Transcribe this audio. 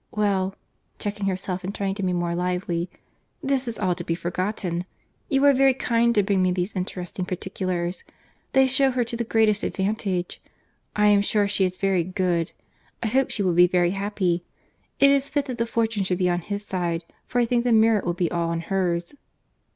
—Well (checking herself, and trying to be more lively), this is all to be forgotten. You are very kind to bring me these interesting particulars. They shew her to the greatest advantage. I am sure she is very good—I hope she will be very happy. It is fit that the fortune should be on his side, for I think the merit will be all on hers."